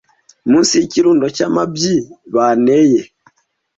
munsi yikirundo cya mabyi baneye